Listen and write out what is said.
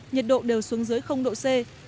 nhiệt độ đều xuống dưới độ c